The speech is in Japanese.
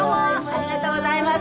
ありがとうございます。